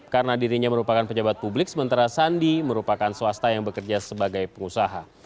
karena dirinya merupakan pejabat publik sementara sandi merupakan swasta yang bekerja sebagai pengusaha